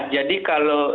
jadi kalau rumusnya